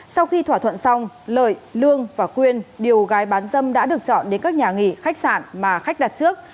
sau khi thỏa thuận xong lợi lương và quyên điều gái bán dâm đã được chọn đến các nhà nghỉ khách sạn mà khách đặt trước